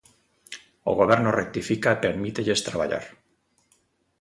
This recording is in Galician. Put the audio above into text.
O Goberno rectifica e permítelles traballar.